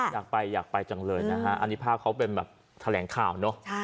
อยากไปอยากไปจังเลยนะฮะอันนี้ภาพเขาเป็นแบบแถลงข่าวเนอะ